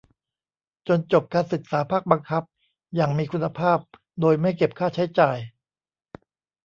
จนจบการศึกษาภาคบังคับอย่างมีคุณภาพ โดยไม่เก็บค่าใช้จ่าย